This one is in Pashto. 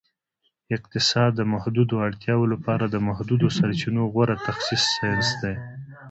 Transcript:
اقتصاد د محدودو اړتیاوو لپاره د محدودو سرچینو غوره تخصیص ساینس دی